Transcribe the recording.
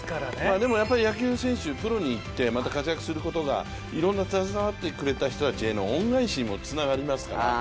でもやっぱり野球選手、プロに行ってまた活躍することがいろんな携わってくれた方への恩返しにつながりますから。